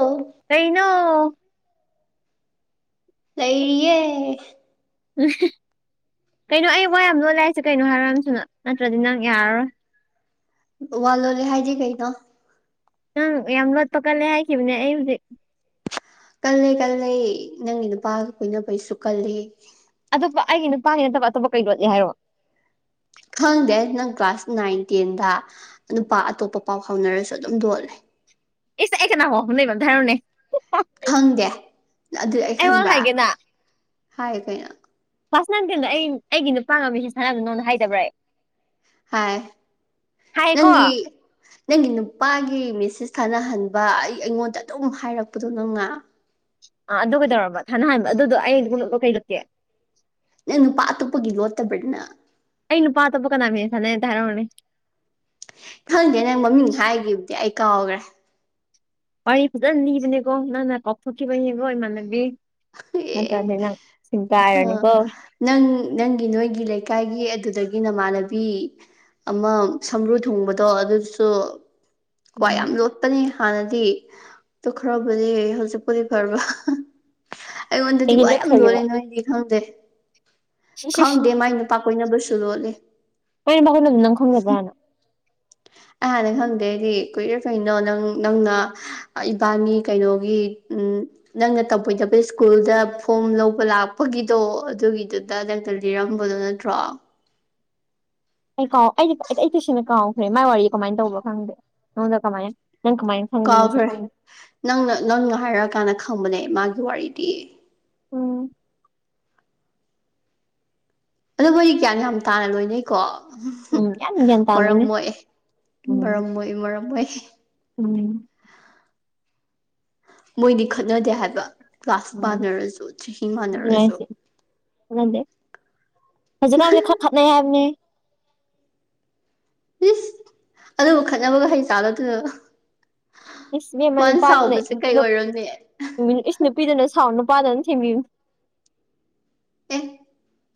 ꯑꯣ ꯀꯩꯅꯣ ꯂꯩꯔꯤꯌꯦ ꯀꯩꯅꯣ ꯑꯩ ꯋꯥ ꯌꯥꯝ ꯂꯣꯠꯂꯦ ꯍꯥꯏꯁꯦ ꯀꯩꯅꯣ ꯍꯥꯏꯔꯛꯑꯣ ꯌꯥꯝ ꯊꯨꯅꯥ ꯅꯠꯇ꯭ꯔꯗꯤ ꯅꯪ ꯌꯥꯔꯔꯣꯏ ꯋꯥ ꯂꯣꯠꯂꯦ ꯍꯥꯏꯗꯤ ꯀꯩꯩꯅꯣ ꯅꯪ ꯌꯥꯝ ꯂꯣꯠꯄ ꯀꯜꯂꯦ ꯍꯥꯏꯈꯤꯕꯅꯦ ꯑꯩ ꯍꯧꯖꯤꯛ ꯀꯜꯂꯦ ꯀꯜꯂꯦ ꯅꯪꯒꯤ ꯅꯨꯄꯥꯒ ꯀꯣꯏꯅꯕꯩꯁꯨ ꯀꯜꯂꯤ ꯑꯇꯣꯞꯄ ꯑꯩꯒꯤ ꯅꯨꯄꯥꯒꯤ ꯅꯠꯇꯕ ꯑꯇꯣꯞꯄ ꯀꯩ ꯂꯣꯠꯂꯤ ꯍꯥꯏꯔꯛꯑꯣ ꯈꯪꯗꯦ ꯅꯪ ꯀ꯭ꯂꯥꯁ ꯅꯥꯏꯟ ꯇꯦꯟꯗ ꯅꯨꯄꯥ ꯑꯇꯣꯞꯄ ꯄꯥꯎ ꯐꯥꯎꯅꯔꯁꯨ ꯑꯗꯨꯝ ꯂꯣꯠꯂꯦ ꯏꯁ ꯑꯩ ꯀꯅꯥ ꯄꯥꯎ ꯐꯥꯎꯅꯩꯕ ꯑꯝꯇ ꯍꯥꯏꯔꯛꯑꯣꯅꯦ ꯈꯪꯗꯦ ꯑꯗꯨ ꯑꯩ ꯈꯪꯕ꯭ꯔꯥ ꯍꯥꯏꯒꯦꯅ ꯍꯥꯏꯌꯦ ꯀꯩꯅꯣ ꯀ꯭ꯂꯥꯁ ꯅꯥꯏꯟ ꯇꯦꯟꯗ ꯑꯩ ꯑꯩꯒꯤ ꯅꯨꯄꯥꯒ ꯃꯦꯁꯦꯁ ꯊꯥꯅꯕꯗꯣ ꯅꯪꯉꯣꯟꯗ ꯍꯥꯏꯗꯕ꯭ꯔ ꯑꯩ ꯍꯥꯏ ꯍꯥꯏꯀꯣ ꯑ ꯅꯪꯒꯤ ꯅꯪꯒꯤ ꯅꯨꯄꯥꯒꯤ ꯃꯦꯁꯦꯁ ꯊꯥꯅꯍꯟꯕ ꯑꯩ ꯑꯩꯉꯣꯟꯗ ꯑꯗꯨꯝ ꯍꯥꯏꯔꯛꯄꯗꯣ ꯅꯪꯅ ꯑꯥ ꯑꯗꯨ ꯀꯩꯗꯧꯔꯕ ꯊꯥꯅ ꯍꯟꯕ ꯑꯗꯨꯗꯣ ꯑꯩ [unintelligible] ꯅꯪ ꯅꯨꯄꯥ ꯑꯇꯣꯞꯄꯒꯤ ꯂꯣꯠꯇꯕꯔ ꯅꯥ ꯑꯩ ꯅꯨꯄꯥ ꯑꯇꯣꯞꯄ ꯀꯅꯥ ꯃꯦꯁꯦꯁ ꯊꯥꯅꯩ ꯑꯝꯇ ꯍꯥꯏꯔꯛꯑꯣꯅꯦ ꯈꯪꯗꯦ ꯅꯪ ꯃꯃꯤꯡ ꯍꯥꯏꯒꯤꯕꯗꯤ ꯑꯩ ꯀꯥꯎꯒ꯭ꯔꯦ ꯋꯥꯔꯤ ꯐꯖꯟ ꯂꯤꯕꯅꯦ ꯀꯣ ꯅꯪꯅ ꯀꯥꯎꯊꯣꯛꯈꯤꯕꯩꯅꯦ ꯀꯣ ꯏꯃꯥꯟꯅꯕꯤ ꯑꯦ ꯅꯠꯇ꯭ꯔꯗꯤ ꯅꯪ ꯑ [unintelligible] ꯅꯪ ꯅꯪꯒꯤ ꯅꯣꯏꯒꯤ ꯂꯩꯀꯥꯏꯒꯤ ꯑꯗꯨꯗꯒꯤ ꯅꯃꯥꯟꯅꯕꯤ ꯑꯃꯥ ꯁꯝꯕ꯭ꯔꯨ ꯊꯨꯡꯕꯗꯣ ꯑꯗꯨꯁꯨ ꯋꯥ ꯎꯝ ꯌꯥꯝ ꯂꯣꯠꯄꯅꯦ ꯍꯥꯟꯅꯗꯤ ꯇꯨ ꯈꯔꯕꯨꯗꯤ ꯍꯧꯖꯤꯛꯄꯨꯗꯤ ꯐꯔꯕ ꯑꯩꯉꯣꯟꯗꯗꯤ ꯑꯩꯒꯤ ꯋꯥ ꯌꯥꯝ ꯂꯣꯜꯂꯦ ꯂꯣꯠꯈ꯭ꯔꯒꯦꯕ ꯅꯣꯏꯗꯤ ꯈꯪꯗꯦ ꯁꯤꯁ ꯈꯪꯗꯦ ꯃꯥꯏ ꯅꯨꯄꯥ ꯀꯣꯏꯅꯕꯁꯨ ꯂꯣꯠꯂꯤ ꯍꯣꯔꯦꯟ ꯃꯈꯨꯟ ꯑꯗꯨꯝ ꯅꯪ ꯈꯪꯒꯗ꯭ꯔꯥꯅ ꯑꯩ ꯍꯥꯟꯅ ꯈꯪꯗꯦ ꯑꯩꯗꯤ ꯀꯨꯏꯔꯦ ꯀꯩꯅꯣ ꯅꯪ ꯅꯪꯅ ꯏꯕꯥꯅꯤ ꯀꯩꯅꯣꯒꯤ ꯎꯝ ꯅꯪꯅ ꯇꯧꯕꯣꯏꯗꯕ ꯁ꯭ꯀꯨꯜꯗ ꯐꯣꯝ ꯂꯧꯕ ꯂꯥꯛꯄꯒꯤꯗꯣ ꯑꯗꯨꯒꯤꯗꯨ [unintelligible] ꯂꯤꯔꯝꯕꯗꯣ ꯅꯠꯇ꯭ꯔꯣ ꯑꯩ ꯀꯥꯎ ꯑꯩꯗꯤ ꯑꯩ ꯇꯁꯦꯡꯅ ꯀꯥꯎꯈ꯭ꯔꯦ ꯃꯥꯏ ꯋꯥꯔꯤ ꯀꯃꯥꯏ ꯇꯧꯕꯅꯣ ꯈꯪꯗꯦ ꯅꯉꯣꯟꯗ ꯀꯃꯥꯏꯅ ꯅꯪ ꯀꯃꯥꯏ ꯀꯥꯎꯈ꯭ꯔꯦ ꯅꯪꯅ ꯅꯪꯅ ꯍꯥꯏꯔꯛꯑꯀꯥꯟꯗ ꯈꯪꯕꯅꯦ ꯃꯥꯒꯤ ꯋꯥꯔꯤꯗꯤ ꯎꯝ ꯑꯗꯨꯕꯨ ꯑꯩ ꯒ꯭ꯌꯥꯟ ꯌꯥꯝ ꯇꯥꯅ ꯂꯣꯏꯅꯩ ꯀꯣ ꯎꯝ ꯌꯥꯝ ꯒ꯭ꯌꯥꯟ ꯃꯔꯝ ꯇꯥꯕꯅꯦ ꯃꯣꯛꯑꯦ ꯎꯝ ꯃꯔꯝ ꯃꯣꯑꯦ ꯃꯔꯝ ꯃꯣꯏ ꯎꯝ ꯃꯣꯏꯗꯤ ꯈꯠꯅꯗꯦ ꯍꯥꯏꯕ ꯀ꯭ꯂꯥꯁ ꯎꯝ ꯄꯥꯅꯔꯁꯨ ꯆꯍꯤ ꯃꯥꯟꯅꯔꯁꯨ ꯈꯠꯅꯗꯦ ꯍꯧꯖꯤꯛꯀꯥꯟꯗꯤ ꯈꯔ ꯈꯠꯅꯩ ꯍꯥꯏꯕꯅꯦ ꯏꯁ ꯑꯗꯨꯕꯨ ꯈꯠꯅꯕꯒ ꯍꯩ ꯖꯥꯠꯂꯣ ꯗꯨ ꯏꯁ ꯏꯕꯦꯝꯃ ꯃꯥꯅ ꯅꯨꯄꯥꯗꯨꯅ ꯁꯥꯎꯕꯁꯦ ꯀꯩ ꯑꯣꯏꯔꯝꯅꯤ ꯏꯁ ꯅꯨꯄꯤꯗꯨꯅ ꯁꯥꯎ ꯅꯨꯄꯥꯗꯨꯅ ꯊꯦꯝꯕꯤꯝꯅꯤ ꯑꯦ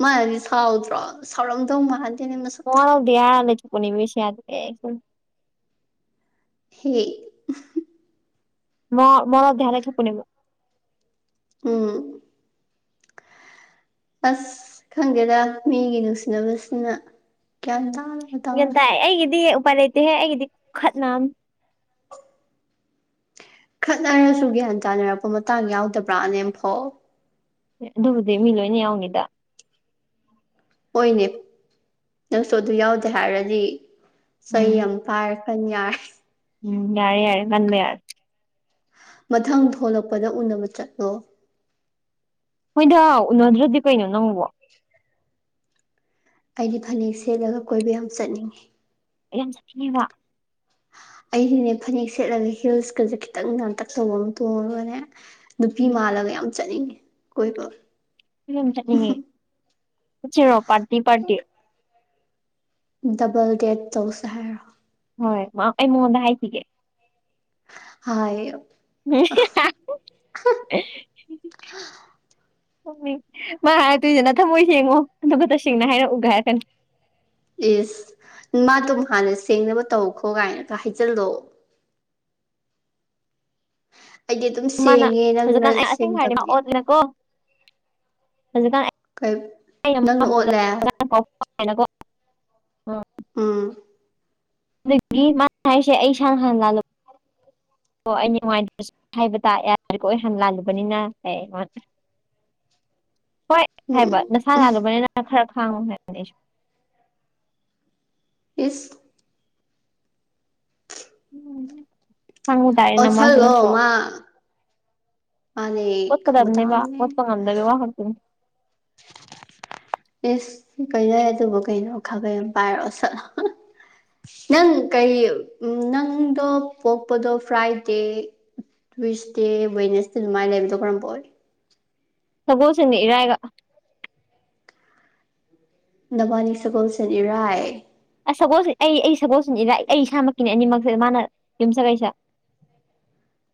ꯃꯥꯅꯗꯤ ꯁꯥꯎꯗ꯭ꯔꯣ ꯁꯥꯎꯔꯝꯗꯧ ꯃꯥꯜ ꯃꯋꯥ ꯂꯧꯗꯦ ꯍꯥꯏꯔ ꯂꯩꯊꯣꯛꯄꯅꯤ ꯃꯤ [unintelligible] ꯍꯤ ꯃꯥ ꯃꯋꯥ ꯂꯧꯗꯦ ꯍꯥꯏꯔ ꯂꯩꯊꯣꯛꯄꯅꯦꯕ ꯎꯝ ꯑꯁ ꯈꯪꯗꯦꯗ ꯃꯤꯒꯤ ꯅꯨꯡꯁꯤꯅꯕꯁꯤꯅ ꯒ꯭ꯌꯥꯟ ꯎꯝ ꯇꯥꯅ ꯒꯌꯥꯟ ꯇꯧꯔꯦ ꯇꯥꯏ ꯑꯩꯒꯤꯗꯤ ꯎꯄꯥꯏ ꯂꯩꯇꯦꯍꯦ ꯑꯩꯒꯤꯗꯤ ꯈꯨꯈꯠꯅꯝ ꯈꯠꯅꯔꯁꯨ ꯒ꯭ꯌꯥꯟ ꯇꯥꯅꯔꯛꯄ ꯃꯇꯥꯡ ꯌꯥꯎꯗꯕ꯭ꯔꯥꯅꯦ ꯑꯝꯐꯧ ꯑꯗꯨꯕꯨꯗꯤ ꯃꯤ ꯂꯣꯏ ꯌꯥꯎꯅꯤꯗ ꯍꯣꯏꯅꯦ ꯅꯪꯁꯨ ꯑꯗꯨ ꯌꯥꯎꯗꯦ ꯍꯥꯏꯔꯗꯤ ꯎꯝ ꯆ ꯩ ꯌꯥꯝ ꯄꯥꯔ ꯀꯟ ꯌꯥꯔ ꯎꯝ ꯌꯥꯔꯦ ꯌꯥꯔꯦ ꯅꯪꯅꯦ ꯃꯊꯪ ꯊꯣꯂꯛꯄꯗ ꯎꯅꯕ ꯆꯠꯂꯣ ꯃꯣꯏꯗ ꯎꯅꯗ꯭ꯔꯗꯤ ꯀꯩꯅꯣ ꯅꯪꯕꯣ ꯑꯩꯗꯤ ꯐꯅꯦꯛ ꯁꯦꯠꯂꯒ ꯀꯣꯏꯕ ꯌꯥꯝ ꯆꯠꯅꯤꯡꯉꯤ ꯑꯩ ꯌꯥꯝ ꯆꯥꯅꯤꯡꯉꯦꯕ ꯑꯩꯗꯤꯅꯦ ꯐꯅꯦꯛ ꯁꯦꯠꯂꯒ ꯍꯤꯜꯁꯀꯖꯦ ꯈꯤꯇꯪ ꯉꯝꯇꯛ ꯇꯩꯕ ꯑꯃ ꯇꯣꯡꯉꯒꯅꯦ ꯅꯨꯄꯤ ꯎꯝ ꯃꯥꯜꯂꯒ ꯌꯥꯝ ꯆꯠꯅꯤꯡꯉꯤ ꯀꯣꯏꯕ ꯑꯩꯖꯨ ꯌꯥꯝ ꯆꯠꯅꯤꯡꯉꯤ ꯆꯠꯁꯤꯔꯣ ꯄ꯭ꯔꯇꯤ ꯄ꯭ꯔꯇꯤ ꯗꯕꯜ ꯗꯦꯠ ꯇꯧꯁꯦ ꯍꯥꯏꯔꯣ ꯍꯣꯏ ꯃꯥ ꯑꯩ ꯃꯉꯣꯟꯗ ꯍꯥꯏꯈꯤꯒꯦ ꯍꯥꯢꯌꯣ [unintelligible] ꯄꯨꯛꯅꯤꯡ ꯃꯥ ꯍꯥꯏꯔꯛꯇꯣꯏꯖꯦ ꯅꯊꯥꯃꯣꯏ ꯁꯦꯡꯉꯨ ꯑꯗꯨꯒ ꯇꯁꯦꯡꯅ ꯍꯥꯏꯔꯛꯎꯒ ꯍꯥꯏꯔꯛꯀꯅꯤ ꯢꯁ ꯃꯥ ꯗꯨꯝ ꯍꯥꯟꯅ ꯁꯦꯡꯅꯕ ꯇꯧꯈꯣ ꯀꯥꯏꯅꯒ ꯍꯥꯏꯖꯜꯂꯣ ꯑꯩꯗꯤ ꯑꯗꯨꯝ ꯃꯥꯅ ꯁꯦꯡꯉꯦ ꯅꯪꯅ ꯍꯧꯖꯤꯛꯀꯥꯟ ꯑꯩ ꯑꯁꯦꯡꯕ ꯍꯥꯏꯒꯦ ꯃꯥ ꯁꯦꯡꯗꯕꯅꯦ ꯑꯣꯠꯅꯀꯣ ꯍꯧꯖꯤꯛꯀꯥꯟ ꯀꯩ ꯅꯪꯅ ꯑꯣꯠꯂꯦ [unintelligible] [unintelligible] ꯎꯝ ꯑꯗꯨꯒꯤ ꯃꯥ ꯍꯥꯏꯔꯤꯁꯦ ꯑꯩ ꯏꯁꯥꯅ ꯍꯥꯟꯅ ꯂꯜꯂꯨ ꯑꯣ ꯑꯩ ꯅꯨꯡꯉꯥꯏꯇ꯭ꯔꯁꯨ ꯍꯥꯏꯕ ꯇ ꯌꯥꯔꯦꯀꯣ ꯑꯩ ꯍꯥꯟ ꯂꯥꯜꯂꯨꯕꯅꯤꯅ ꯑꯦ ꯍꯣꯏ ꯍꯥꯏꯕ ꯎꯝ ꯅꯥꯁꯅ ꯂꯥꯜꯂꯨꯕꯅꯤꯅ ꯈꯥꯔ ꯈꯥꯡꯉꯨ ꯍꯥꯏꯕꯅꯤ ꯑꯩꯁꯨ ꯏꯁ [unintelligible] ꯇꯥꯏꯔꯦ ꯅꯃꯁꯨ ꯑꯣꯠꯁꯜꯂꯣ ꯅꯠꯇ꯭ꯔꯣ ꯃꯥ ꯃꯥꯅꯦ ꯈꯪꯕ ꯑꯣꯠꯀꯗꯕꯅꯦꯕ ꯇꯥꯕꯅꯦ ꯑꯣꯠꯄ ꯉꯝꯗꯕꯩ ꯋꯥ ꯈꯛꯇꯅꯤ [inaudible] ꯏꯁ ꯀꯩꯅꯦ ꯑꯗꯨꯕꯨ ꯀꯩꯅꯣ ꯈꯥꯕꯩ‌ ꯑꯃ ꯄꯥꯏꯔ ꯑꯣꯠꯁꯟꯂꯣ ꯅꯪ ꯀꯔꯤ ꯅꯪꯗꯣ ꯄꯣꯛꯄꯗꯣ ꯐ꯭ꯔꯥꯏꯗꯦ ꯇꯨꯁꯏꯁꯗꯦ ꯋꯦꯅꯦꯁꯗꯦ ꯑꯗꯨꯃꯥꯏꯅ ꯂꯩꯕꯗꯣ ꯀꯔꯝꯕ ꯑꯣꯏ ꯁꯒꯣꯜꯁꯦꯟꯒ ꯏꯔꯥꯢꯒ ꯅꯕꯥꯅꯤ ꯁꯒꯣꯜꯁꯦꯟ ꯏꯔꯥꯏ ꯑꯁ ꯁꯒꯣꯜꯁꯦꯜ ꯑꯩ ꯑꯩ ꯁꯒꯣꯜꯁꯦꯜ ꯏꯔꯥꯏ ꯑꯩ ꯏꯁꯥꯃꯛꯀꯤꯅꯤ ꯑꯅꯤꯃꯛꯁꯦ ꯃꯥꯅ ꯌꯨꯝ ꯁꯒꯩꯁ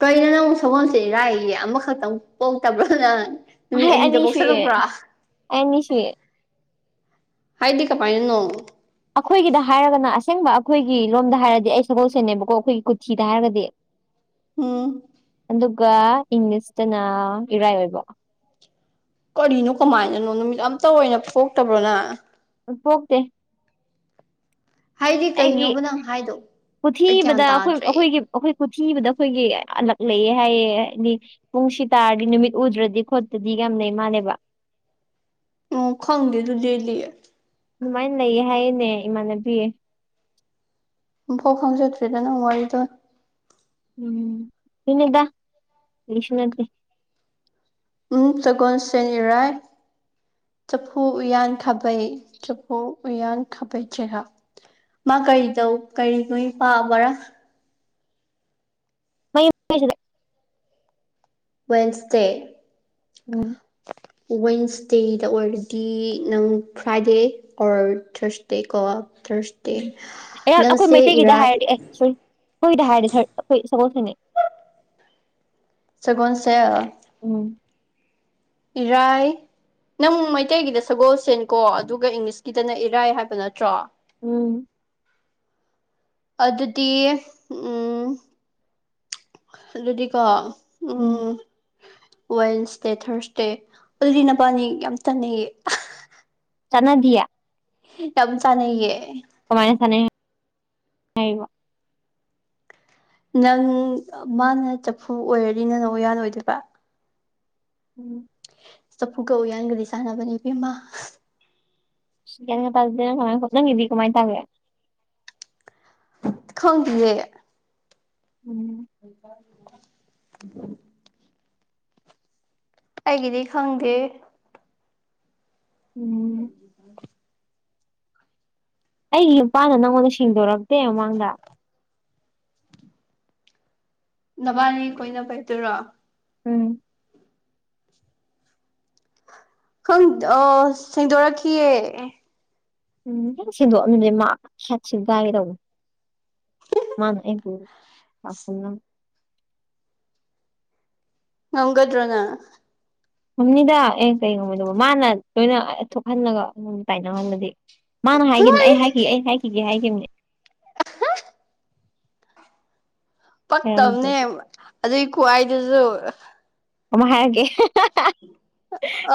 ꯀꯩꯅꯣ ꯅꯪ ꯕꯨ ꯁꯒꯣꯟꯁꯦꯟ ꯏꯔꯥꯏꯌꯦ ꯑꯃꯈꯛꯇꯪ ꯄꯣꯛꯇꯕ꯭ꯔꯣ ꯅꯪ ꯅꯨꯃꯤꯠ ꯑꯩ ꯑꯅꯤꯗ ꯑꯅꯤ ꯁꯨꯏꯌꯦ ꯄꯣꯛꯁꯟꯂꯛꯄ꯭ꯔꯣ ꯑꯩ ꯑꯅꯤ ꯁꯨꯏꯌꯦ ꯍꯥꯏꯗꯤ ꯀꯃꯥꯏꯅꯅꯣ ꯑꯈꯣꯏꯒꯤꯗ ꯍꯥꯏꯔꯒꯅ ꯑꯁꯦꯡꯕ ꯑꯈꯣꯏꯒꯤ ꯂꯣꯝꯗ ꯍꯥꯏꯔꯗꯤ ꯑꯩ ꯁꯒꯣꯜꯁꯦꯟ ꯅꯦꯕꯀꯣ ꯑꯈꯣꯏꯒꯤ ꯀꯨꯊꯤꯗ ꯍꯥꯏꯔꯒꯗꯤ ꯎꯝ ꯑꯗꯨꯒ ꯏꯪꯂꯤꯁꯇꯅ ꯏꯔꯥꯏ ꯑꯣꯏꯕ ꯀꯔꯤꯅꯣ ꯀꯃꯥꯏꯅꯅꯣ ꯅꯨꯃꯤꯠ ꯑꯝꯇ ꯑꯣꯏꯅ ꯊꯣꯛꯇꯕ꯭ꯔꯣ ꯅꯪ ꯊꯣꯛꯇꯦ ꯍꯥꯏꯗꯤ ꯑꯩꯒꯤ ꯀꯩꯅꯣꯕ ꯅꯪ ꯍꯥꯏꯗꯣ ꯀꯨꯊꯤ ꯑꯩ ꯢꯕꯗ ꯒ꯭ꯌꯥꯟ ꯑꯈꯣꯏ ꯇꯥꯗ꯭ꯔꯦ ꯑꯈꯣꯏꯒꯤ ꯑꯈꯣꯏ ꯀꯨꯊꯤ ꯢꯕꯗ ꯑꯈꯣꯏꯒꯤ ꯑꯂꯛ ꯂꯩꯌꯦ ꯍꯥꯏꯌꯦ ꯍꯥꯏꯗꯤ ꯄꯨꯡꯁꯤ ꯇꯥꯔꯗꯤ ꯅꯨꯃꯤꯠ ꯎꯗ꯭ꯔꯗꯤ ꯈꯣꯠꯇꯗꯤ ꯌꯥꯝ ꯂꯩꯩ ꯃꯥꯜꯂꯦꯕ ꯑꯣ ꯈꯪꯗꯦ ꯑꯗꯨꯗꯤ ꯑꯩꯗꯤ ꯑꯗꯨꯃꯥꯏ ꯂꯩꯌꯦ ꯍꯥꯏꯌꯦ ꯅꯦ ꯏꯃꯥꯟꯅꯕꯤ ꯑꯝ ꯐꯥꯎ ꯈꯪꯖꯗ꯭ꯔꯤꯗ ꯅꯪ ꯋꯥꯔꯤꯗꯣ ꯎꯝ ꯗꯨꯅꯤꯗ ꯀꯩꯁꯨ ꯅꯇꯦ ꯎꯝ ꯁꯒꯣꯟ ꯁꯦꯟ ꯢꯔꯥꯏ ꯆꯐꯨ ꯎꯌꯥꯟ ꯈꯥꯕꯩ ꯆꯐꯨ ꯎꯌꯥꯟ ꯈꯥꯕꯩ ꯆꯦꯒꯞ ꯃꯥ ꯀꯔꯤ ꯇꯧ ꯀꯔꯤ ꯅꯣꯏ ꯄꯥꯕꯔꯥ ꯃꯌꯨ ꯍꯥꯏꯁꯤꯗꯤ ꯋꯦꯟꯁꯇꯦ ꯎꯝ ꯋꯦꯟꯁꯗꯦꯗ ꯑꯣꯏꯔꯗꯤ ꯅꯪ ꯐ꯭ꯔꯥꯏꯗꯦ ꯑꯣꯔ ꯊ꯭ꯔꯁꯇꯦ ꯀꯣ ꯊ꯭ꯔꯁ ꯎꯝ ꯑꯌꯥ ꯑꯩꯈꯣꯏ ꯃꯩꯇꯩꯒꯤꯗ ꯍꯥꯏꯔꯗꯤ ꯑꯦ ꯁꯣꯔꯤ ꯑꯩꯈꯣꯏꯗ ꯍꯥꯏꯔꯗꯤ ꯊꯔꯠ ꯑꯩꯈꯣꯏ ꯁꯒꯣꯜꯁꯦꯟꯅꯦ ꯁꯒꯣꯟꯁꯦꯜ ꯎꯝ ꯏꯔꯥꯏ ꯅꯪ ꯃꯩꯇꯩꯒꯤꯗ ꯁꯒꯣꯜꯁꯦꯟ ꯀꯣ ꯑꯗꯨꯒ ꯏꯪꯂꯤꯁꯀꯤꯗꯅ ꯏꯔꯥꯏ ꯍꯥꯏꯕ ꯅꯠꯇ꯭ꯔꯣ ꯎꯝ ꯑꯗꯨꯗꯤ ꯎꯝ ꯑꯗꯨꯗꯤꯀꯣ ꯎꯝ ꯋꯦꯟꯁꯗꯦ ꯊ꯭ꯔꯁꯗꯦ ꯑꯗꯨꯗꯤ ꯅꯕꯥꯟꯅꯤ ꯌꯥꯝ ꯆꯥꯟꯅꯩꯌꯦ ꯆꯥꯟꯅꯗꯤꯌꯦ ꯌꯥꯝ ꯆꯥꯅꯩꯌꯦ ꯀꯃꯥꯏꯅ ꯆꯥꯅꯩ ꯍꯥꯏꯔꯤꯕ ꯅꯪ ꯃꯥꯅ ꯆꯐꯨ ꯑꯣꯏꯔꯗꯤ ꯅꯪꯅ ꯎꯌꯥꯟ ꯑꯣꯏꯗꯣꯏꯕ ꯎꯝ ꯆꯐꯨ ꯒ ꯎꯌꯥꯟꯒꯗꯤ ꯆꯥꯟꯅꯕꯅꯦ ꯏꯕꯦꯝꯃꯥ ꯒꯌꯥꯟꯒ ꯇꯥꯗꯦꯗ ꯀꯃꯥꯏ ꯍꯣꯠ ꯅꯪꯒꯤꯗꯤ ꯀꯃꯥꯏꯇꯥꯒꯦ ꯈꯪꯗꯤꯌꯦ ꯎꯝ [unintelligible] ꯑꯩꯒꯤꯗꯤ ꯈꯪꯗꯦ ꯎꯝ ꯑꯩꯒꯤ ꯅꯨꯄꯥꯅ ꯅꯪꯉꯣꯟꯗ ꯁꯦꯡꯗꯣꯔꯛꯇꯦ ꯃꯃꯥꯡꯗ ꯅꯕꯥꯟꯅꯤ ꯀꯣꯏꯅꯕꯩꯗꯨꯔꯣ ꯎꯝ ꯈꯪ ꯑꯣ ꯁꯦꯡꯗꯣꯔꯛꯈꯤꯌꯦ ꯑꯦ ꯎꯝ ꯍꯦꯛ ꯁꯦꯛꯗꯣꯛ ꯑꯝꯗꯗꯤ ꯃꯥ ꯈ ꯊꯤꯟꯒꯥꯏꯒꯦ ꯇꯧꯅꯦ ꯃꯥꯅ ꯑꯩꯕꯨ [unintelligible] ꯉꯝꯒꯗ꯭ꯔꯣ ꯅꯪ ꯉꯝꯅꯤꯗ ꯑꯦ ꯀꯩ ꯉꯝꯃꯣꯏꯗꯣꯕ ꯃꯥꯅ ꯂꯣꯏꯅ ꯑ ꯑ ꯊꯣꯛꯍꯜꯂꯒ ꯑꯩꯉꯣꯟ ꯇꯥꯏꯅ ꯍꯟꯕꯗꯤ ꯃꯥꯅ ꯍꯥꯏꯒꯤꯝꯅꯦ ꯑꯩ ꯍꯥꯏꯈꯤꯒꯦ ꯑꯩ ꯍꯥꯏꯈꯤꯒꯦ ꯍꯥꯏꯒꯤꯝꯅꯦ ꯄꯛꯇꯕꯅꯦ ꯍꯥꯏꯔꯝꯗ꯭ꯔꯗꯤ ꯑꯗꯨꯏ ꯈꯨ ꯍꯥꯏꯗꯨꯖꯨ ꯃꯃꯥ ꯍꯥꯏꯔꯒꯦ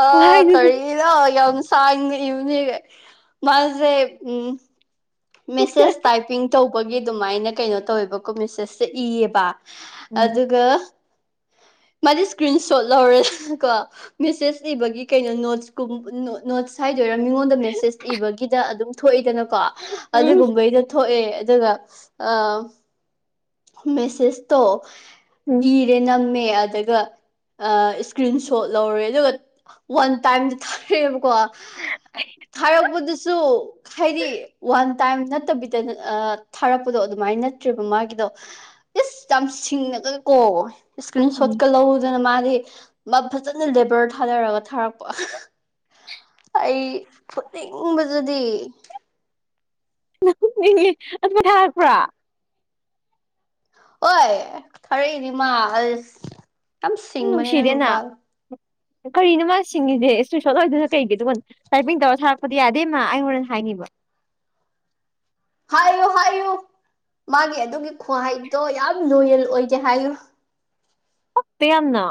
ꯑꯥ ꯈꯨꯍꯥꯏꯗꯨꯗ ꯀꯔꯤ ꯏꯔꯣ ꯌꯥꯝ ꯁꯥꯡꯅ ꯏꯕꯅꯤ ꯃꯥꯁꯦ ꯎꯝ ꯃꯦꯁꯦꯁ ꯇꯥꯏꯞꯄꯤꯡ ꯇꯧꯕꯒꯤ ꯑꯗꯨꯃꯥꯏꯅ ꯀꯩꯅꯣ ꯇꯧꯋꯦꯕꯀꯣ ꯃꯦꯁꯦꯁꯁꯦ ꯏꯌꯦꯕ ꯎꯝ ꯑꯗꯨꯒ ꯃꯥꯗꯤ ꯏꯁꯀ꯭ꯔꯤꯟ ꯁꯣꯠ ꯂꯧꯔꯦ ꯀꯣ ꯃꯦꯁꯦꯁ ꯏꯕꯒꯤ ꯀꯩꯅꯣ ꯅꯣꯠꯁꯀꯨꯝ ꯅꯣ ꯅꯣꯠꯁ ꯍꯥꯏꯗꯣꯏꯔ ꯃꯤꯉꯣꯟꯗ ꯃꯦꯁꯦꯁ ꯏꯕꯒꯤꯗ ꯑꯗꯨꯝ ꯊꯣꯛꯏꯗꯅꯀꯣ ꯎꯝ ꯑꯗꯨꯒꯨꯝꯕꯩꯗ ꯊꯣꯛꯑꯦ ꯑꯗꯨꯒ ꯑꯝ ꯃꯦꯁꯦꯁꯇꯣ ꯎꯝ ꯏꯔꯦ ꯅꯝꯃꯦ ꯑꯗꯨꯒ ꯑꯥ ꯏꯁꯀ꯭ꯔꯤꯟ ꯁꯣꯠ ꯂꯧꯔꯦ ꯑꯗꯨꯒ ꯋꯥꯟ ꯇꯥꯏꯝ ꯊꯥꯔꯛꯑꯦꯕꯀꯣ ꯊꯥꯔꯛꯄꯗꯨꯁꯨ ꯍꯥꯏꯗꯤ ꯋꯥꯟ ꯇꯥꯏꯝ ꯅꯠꯇꯕꯤꯗ ꯑꯥ ꯊꯥꯔꯛꯄꯗꯣ ꯑꯗꯨꯃꯥꯏꯅ ꯅꯠꯇ꯭ꯔꯦꯕ ꯃꯥꯒꯤꯗꯣ ꯏꯁ ꯌꯥꯝ ꯁꯤꯡꯉꯅꯒꯀꯣ ꯁ꯭ꯀ꯭ꯔꯤꯟ ꯎꯝ ꯁꯣꯠꯀ ꯂꯧꯗꯅ ꯃꯥꯗꯤ ꯃꯥ ꯐꯖꯅ ꯂꯦꯕꯔ ꯊꯥꯗꯔꯒ ꯊꯥꯔꯛꯄ ꯑꯩ ꯐꯨꯅꯤꯡꯕꯖꯤꯗꯤ [unintelligible] ꯑꯗꯨ ꯊꯥꯔꯛꯄ꯭ꯔꯥ ꯑꯣꯏ ꯊꯥꯔꯛꯏꯅꯦ ꯃꯥ ꯑꯁ ꯌꯥꯝ ꯨꯎꯝ ꯁꯤꯡꯕꯅꯦ ꯅꯪ ꯅꯨꯡꯁꯤꯗꯦꯅ ꯅꯨꯄꯥꯗꯣ ꯀꯔꯤꯅꯣ ꯃꯥ ꯁꯤꯡꯉꯦꯗꯤ ꯁ꯭ꯀꯤꯟ ꯁꯣꯠ ꯂꯧꯔꯤꯗꯨꯅ ꯀꯩꯒꯤ ꯑꯗꯨꯒ ꯇꯥꯏꯄꯤꯡ ꯇꯧꯔ ꯊꯥꯔꯛꯄꯗꯤ ꯌꯥꯗꯦ ꯃꯥ ꯑꯩ ꯍꯣꯔꯦꯟ ꯍꯥꯏꯅꯤꯕ ꯍꯥꯏꯌꯨ ꯍꯥꯏꯌꯨ ꯃꯥꯒꯤ ꯑꯗꯨꯒꯤ ꯈꯨꯍꯥꯏꯗꯣ ꯌꯥꯝ ꯂꯣꯌꯜ ꯑꯣꯏꯗꯦ ꯍꯥꯏꯌꯨ ꯄꯛꯇꯦ ꯌꯥꯝꯅ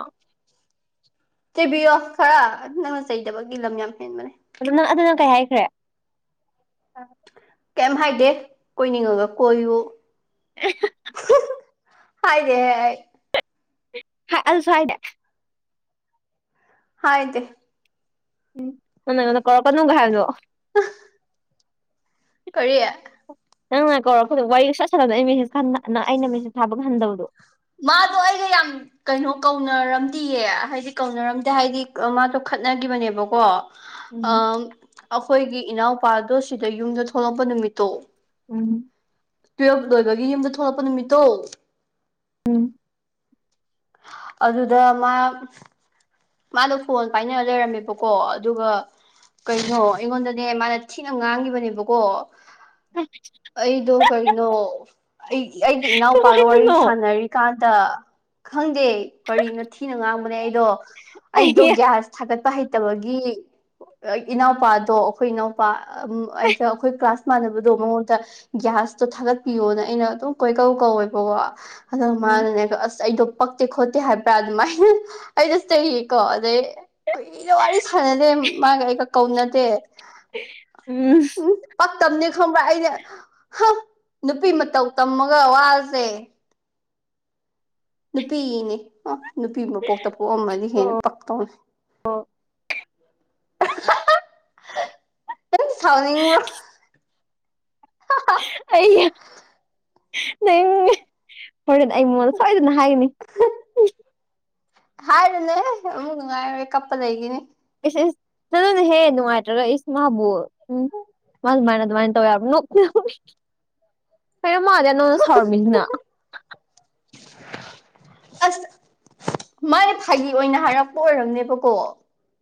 ꯆꯩꯕꯤꯌꯣ ꯈꯔ ꯅꯪꯅ ꯆꯩꯗꯕꯒꯤ ꯂꯝ ꯌꯥꯝ ꯍꯦꯟꯕꯅꯦ ꯑꯗꯨ ꯅꯪ ꯑꯗꯨ ꯅꯪ ꯀꯩ ꯍꯥꯏꯈ꯭ꯔꯦ ꯀꯩꯝ ꯍꯥꯏꯗꯦ ꯀꯣꯏꯅꯤꯡꯉꯒ ꯀꯣꯏꯌꯨ ꯑꯦ ꯍꯥ ꯍꯥ [unintelligible] ꯍꯥꯏꯗꯦꯍꯦ ꯑꯩ ꯍꯥ ꯑꯗꯨꯁꯨ ꯍꯥꯏꯗꯦ ꯍꯥꯏꯗꯦ ꯎꯝ ꯅꯪ ꯅꯥ ꯀꯣꯔꯛꯀꯅꯨꯒ ꯍꯥꯏꯕꯗꯣ ꯑꯥ [unintelligible] ꯀꯔꯤ ꯅꯪꯅ ꯀꯧꯔꯛꯄꯗꯣ ꯋꯥꯔꯤ ꯁꯨꯁꯥꯟ ꯁꯥꯟꯅꯗꯣ ꯑꯩ ꯃꯦꯁꯦꯁ ꯀꯟꯅ ꯑꯩꯅ ꯃꯦꯁꯦꯖ ꯊꯥꯕꯒ ꯍꯟꯗꯕꯗꯣ ꯃꯥꯗꯣ ꯑꯩꯗꯣ ꯌꯥꯝ ꯀꯩꯅꯣ ꯀꯧꯅꯔꯝꯇꯤꯌꯦ ꯍꯥꯏꯗꯤ ꯀꯧꯅꯔꯝꯗꯦ ꯍꯥꯏꯗꯤ ꯃꯥꯖꯨ ꯈꯠꯅꯒꯤꯕꯅꯦꯕꯀꯣ ꯎꯝ ꯑꯥ ꯑꯈꯣꯏꯒꯤ ꯏꯅꯥꯎꯄꯥꯗꯣ ꯁꯤꯗ ꯌꯨꯝꯗ ꯊꯣꯛꯂꯛꯄ ꯅꯨꯃꯤꯠꯇꯣ ꯎꯝ ꯇꯨꯌꯦꯜꯕ ꯂꯣꯏꯕꯒꯤ ꯌꯨꯝꯗ ꯊꯣꯛꯂꯛꯄ ꯅꯨꯃꯤꯠꯇꯣ ꯎꯝ ꯑꯗꯨꯗ ꯃꯥ ꯃꯥꯗꯣ ꯐꯣꯟ ꯄꯥꯏꯅꯔ ꯂꯩꯔꯝꯃꯦꯕꯀꯣ ꯑꯗꯨꯒ ꯀꯩꯅꯣ ꯑꯩꯉꯣꯟꯗꯅꯦ ꯃꯥꯅ ꯊꯤꯅ ꯉꯥꯡꯒꯤꯕꯅꯦꯕꯀꯣ ꯎ ꯑꯩꯗꯣ ꯀꯔꯤꯅꯣ ꯑꯩ ꯑꯩꯒꯤ ꯏꯅꯥꯎꯄꯥꯒ ꯋꯥꯔꯤ ꯀꯃꯥꯏꯅꯅꯣ ꯁꯥꯟꯅꯔꯤ ꯀꯥꯟꯗ ꯈꯪꯗꯦ ꯀꯔꯤꯅꯣ ꯊꯤꯅ ꯉꯥꯡꯕꯅꯦ ꯑꯩꯗꯣ ꯑꯩꯗꯣ ꯑꯩ ꯒ꯭ꯌꯥ ꯑꯥꯁ ꯊꯥꯒꯠꯄ ꯍꯩꯇꯕꯒꯤ ꯏꯅꯥꯎꯄꯥꯗꯣ ꯑꯩꯈꯣꯏ ꯏꯅꯥꯎ ꯄꯥ ꯑꯝ ꯑꯩꯒ ꯑꯩꯈꯣꯏ ꯀ꯭ꯂꯥꯁ ꯃꯥꯟꯅꯕꯗꯣ ꯃꯉꯣꯟꯗ ꯒ꯭ꯌꯥꯁꯇꯣ ꯊꯥꯒꯠꯄꯤꯌꯣꯅ ꯑꯩꯅ ꯑꯗꯨꯝ ꯀꯣꯏꯀꯧ ꯀꯧꯋꯦꯕꯀꯣ ꯍꯟꯗꯛ ꯎꯝ ꯃꯥꯅꯅꯦ ꯑꯁ ꯑꯩꯗꯣ ꯄꯛꯇꯦ ꯈꯣꯠꯇꯦ ꯍꯥꯏꯕ꯭ꯔꯥ ꯑꯗꯨꯃꯥꯏꯅ ꯑꯩꯗꯣ ꯆꯩ ꯀꯣ ꯑꯗꯩ ꯀꯨꯏꯅ ꯋꯥꯔꯤ ꯁꯥꯟꯅꯗꯦ ꯃꯥꯒ ꯑꯩꯒ ꯀꯧꯅꯗꯦ ꯎꯝ ꯄꯛꯇꯝꯅꯦ ꯈꯪꯕ꯭ꯔꯥ ꯑꯩꯅ ꯍꯥ ꯅꯨꯄꯤ ꯃꯇꯧ ꯇꯝꯃꯒ ꯋꯥꯁꯦ ꯅꯨꯄꯤꯅꯤ ꯑ ꯅꯨꯄꯤ ꯃꯄꯣꯛꯇ ꯄꯣꯛꯑꯝꯃꯗꯤ ꯍꯦꯟꯅ ꯄꯛꯇꯧꯅꯤ ꯅꯪꯪ ꯁꯥꯎꯅꯤꯡꯕ꯭ꯔꯣ ꯑꯩꯌꯥ ꯅꯪ ꯍꯣꯔꯦꯟ ꯑꯩ ꯃꯉꯣꯟꯗ ꯁꯣꯏꯗꯅ ꯍꯥꯏꯒꯅꯤ [unintelligible] ꯍꯥꯏꯔꯨꯅꯨꯍꯦ ꯑꯃꯨꯛ ꯅꯨꯡꯉꯥꯏꯔꯣꯏ ꯀꯞꯄ ꯂꯩꯒꯤꯅꯤ ꯏꯁ ꯏꯁ ꯆꯠꯂꯨ ꯅꯦꯍꯦ ꯅꯨꯡꯉꯥꯏꯇ꯭ꯔꯒ ꯏꯁ ꯃꯥꯕꯨ ꯎꯝ ꯃꯥꯅ ꯑꯗꯨꯃꯥꯏꯅ ꯑꯗꯨꯃꯥꯏꯅ ꯇꯧ ꯌꯥꯕ꯭ꯔꯣ ꯅꯣꯛꯅꯕꯒꯤ [inaudible] ꯀꯩꯅꯣ ꯃꯥ ꯑꯗꯨꯌꯥꯝ ꯅꯉꯣꯟꯅ ꯁꯥꯎꯔꯃꯤꯖꯤꯅ ꯑꯁ ꯃꯥꯌꯤ ꯑꯣꯏꯅ ꯍꯥꯏꯔꯛꯄ ꯑꯣꯏꯔꯝꯅꯦꯕꯀꯣ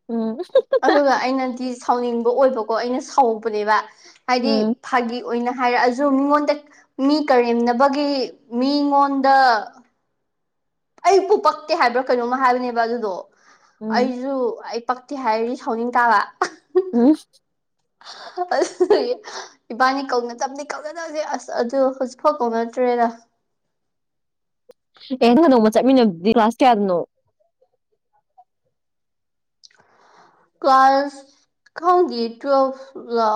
ꯎꯝ ꯑꯗꯨꯒ ꯑꯩꯅꯗꯤ ꯁꯥꯎꯅꯤꯡꯕ ꯑꯣꯏꯕꯀꯣ ꯑꯩꯅ ꯁꯥꯎꯄꯅꯦꯕ ꯍꯥꯏꯗꯤ ꯎꯝ ꯐꯥꯒꯤ ꯑꯣꯏꯅ ꯍꯥꯏꯔꯛꯑꯖꯨ ꯃꯤꯉꯣꯟꯗꯛ ꯃꯤ ꯀꯔꯦꯝꯅꯕꯒꯤ ꯃꯤꯉꯣꯟꯗ ꯑꯩꯕꯨ ꯄꯛꯇꯦ ꯍꯥꯏꯕ꯭ꯔꯥ ꯀꯩꯅꯣꯝꯃ ꯍꯥꯏꯕꯅꯦꯕ ꯑꯗꯨꯗꯣ ꯎꯝ ꯑꯩꯖꯨ ꯑꯩ ꯄꯛ ꯇꯦ ꯍꯥꯏꯔꯗꯤ ꯁꯥꯎꯅꯤꯡ ꯇꯥꯕ ꯋꯨꯑꯨꯝ [unintelligible] ꯏꯕꯥꯅꯤ ꯀꯧꯅ ꯗꯞꯗꯤ ꯀꯧꯅꯗꯕꯖꯦ ꯑꯁ ꯑꯗꯨ ꯍꯧꯖꯤꯛꯐꯥꯎ ꯀꯧꯅꯗ꯭ꯔꯦꯗ ꯑꯦꯡꯒ ꯅꯣꯡꯃ ꯆꯠꯃꯤꯟꯅꯕꯗꯤ ꯀ꯭ꯂꯥꯁ ꯀꯌꯥꯅꯣ ꯀ꯭ꯂꯥꯁ ꯈꯪꯗꯤꯌꯦ ꯇ꯭ꯋꯦꯜꯐ ꯂꯥ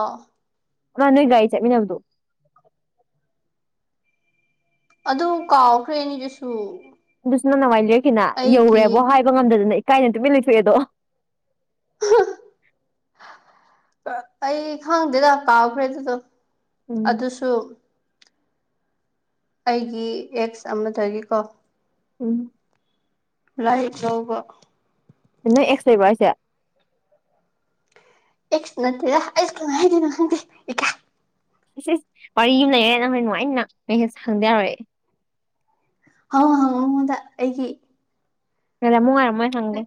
ꯑꯒ ꯅꯣꯢ ꯒꯥꯔꯤ ꯆꯠꯃꯤꯟꯅꯕꯗꯣ ꯑꯗꯨ ꯀꯥꯎꯈ꯭ꯔꯦ ꯑꯅꯤꯗꯨꯁꯨ ꯑꯗꯨꯁꯨ ꯅꯪꯅ ꯋꯥꯔꯤ ꯂꯤꯔꯛꯈꯤꯅ ꯑꯩꯒꯤ ꯌꯧꯔꯦꯕꯣ ꯍꯥꯏꯕ ꯉꯝꯗꯗꯅ ꯏꯀꯥꯏꯅ ꯇꯨꯃꯤꯟ ꯂꯩꯊꯣꯛꯑꯦꯗꯣ ꯑꯥ ꯑꯩ ꯈꯪꯗꯦꯗ ꯀꯥꯎꯈ꯭ꯔꯦ ꯑꯗꯨꯗꯣ ꯎꯝ ꯑꯗꯨꯁꯨ ꯑꯩꯒꯤ ꯑꯦꯛꯁ ꯑꯃꯗꯒꯤꯀꯣ ꯎꯝ ꯂꯥꯏꯛ ꯂꯧꯕ ꯅ ꯑꯦꯛꯁ ꯂꯩꯕ꯭ꯔꯣ ꯍꯥꯏꯁꯦ ꯑꯦꯁ ꯅꯠꯇꯦꯌꯥ ꯑꯩꯁꯨ ꯀꯃꯥꯏ ꯍꯥꯏꯗꯣꯅꯣ ꯈꯪꯗꯦ ꯏꯀꯥꯢ ꯏꯁ ꯏꯁ ꯋꯥꯔꯤ ꯑꯝ ꯂꯩꯔꯦ ꯅꯪ ꯍꯣꯔꯦꯟ ꯅꯨꯡꯉꯥꯢꯅꯤꯅꯪ [unintelligible] ꯍꯪꯗ ꯌꯥꯔꯣꯏ ꯑꯩ ꯍꯉꯣ ꯍꯉꯣ ꯉꯣꯟꯗ ꯑꯩꯒꯤ ꯉꯥꯏꯔꯝꯃꯣ ꯉꯥꯏꯔꯝꯃꯣ ꯑꯩ ꯍꯪꯒꯦ